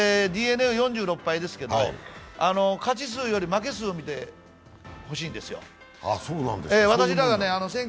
ＤｅＮＡは４６敗ですけど、勝ち数より負け数を見てほしいんですよ。